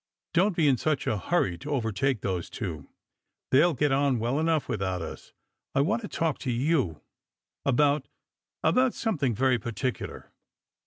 " Don't be in such a hurry to overtake those two ; they'll get on well enough without us. I want to talk to you — about — about something very particular."